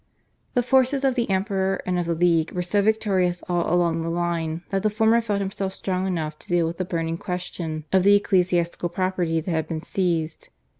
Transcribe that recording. The forces of the Emperor and of the /League/ were so victorious all along the line that the former felt himself strong enough to deal with the burning question of the ecclesiastical property that had been seized.